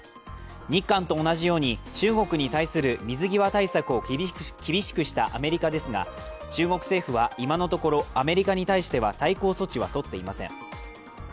日韓と同じように中国に対する水際対策を厳しくしたアメリカですが中国政府は今のところアメリカに対しては対抗措置はとっていません。